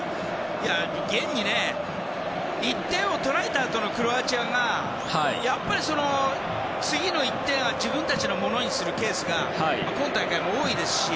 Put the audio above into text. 現に１点を取られたあとのクロアチアが次の１点は自分たちのものにするケースが今大会も多いですし。